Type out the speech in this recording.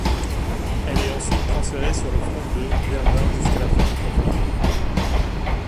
Elle est ensuite transférée sur le front de Verdun jusqu'à la fin du conflit.